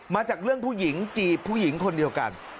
มาจากเรื่องผู้หญิงจีบผู้หญิงคนเดียวกัน